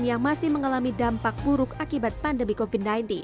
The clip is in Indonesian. yang masih mengalami dampak buruk akibat pandemi covid sembilan belas